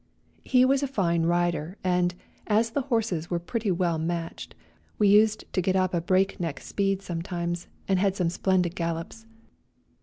He was a fine rider, and, as the horses were pretty well matched, we used to get up a break neck speed sometimes, and had some splendid gallops.